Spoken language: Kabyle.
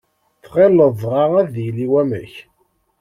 Tɣilleḍ dɣa ad yili wamek?